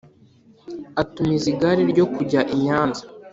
Atumiza igare ryo kujya i Nyanza,